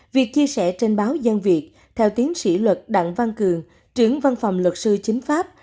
việc chia sẻ trên báo gian việt theo tiến sĩ luật đặng văn cường trưởng văn phòng luật sư chính pháp